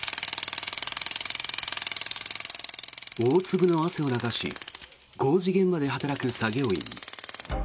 大粒の汗を流し工事現場で働く作業員。